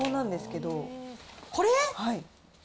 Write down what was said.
これ？